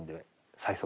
最速。